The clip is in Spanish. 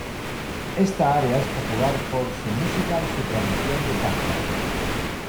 Esta área es popular por su música y su tradición de caza.